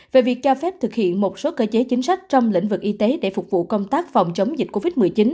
về việc cho phép thực hiện một số cơ chế chính sách trong lĩnh vực y tế để phục vụ công tác phòng chống dịch covid một mươi chín